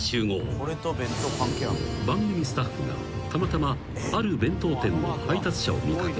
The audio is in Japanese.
［番組スタッフがたまたまある弁当店の配達車を見掛けて注文］